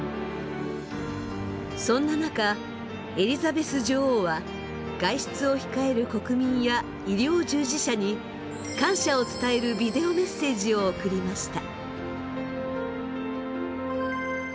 そんな中エリザベス女王は外出を控える国民や医療従事者に感謝を伝えるビデオメッセージを送りました。